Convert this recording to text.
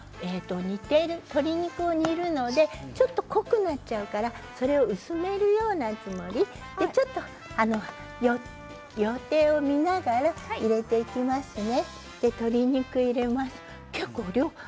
鶏肉を煮ているのでちょっと濃くなっちゃうからそれを薄めるようなつもりでちょっと見ながら入れていきますね。